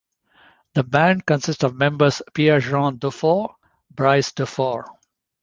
The band consists of members Pierre-Jean Duffour, Brice Duffour.